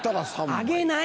あげない！